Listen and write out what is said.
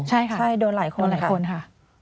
ใช่ค่ะโดนหลายคนค่ะ